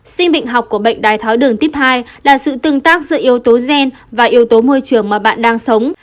sinh bệnh học của bệnh đai tháo đường tuyếp hai là sự tương tác giữa yếu tố gen và yếu tố môi trường mà bạn đang sống